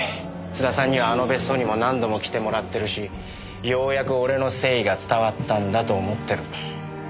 津田さんにはあの別荘にも何度も来てもらってるしようやく俺の誠意が伝わったんだと思ってる。